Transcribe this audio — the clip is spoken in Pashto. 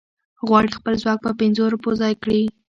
غواړي خپل ځواک په پنځو روپو ځای کړي.